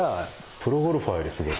プロゴルファーよりすごい。